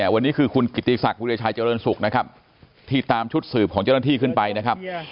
วันนี้คือคุณกิติศักดิชัยเจริญสุขนะครับที่ตามชุดสืบของเจ้าหน้าที่ขึ้นไปนะครับ